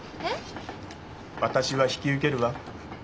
「私は引き受けるわ」って。